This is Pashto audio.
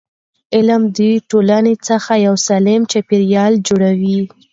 علم د ټولنې څخه یو سالم چاپېریال جوړوي.